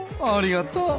ありがと。